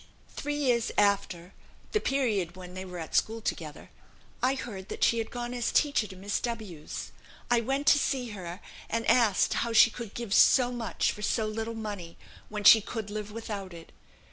"Three years after " (the period when they were at school together) "I heard that she had gone as teacher to Miss W 's. I went to see her, and asked how she could give so much for so little money, when she could live without it.